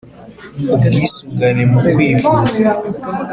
ubwisungane mu kwivuza: